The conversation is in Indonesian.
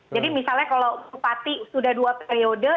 jadi misalnya kalau bupati sudah dua periode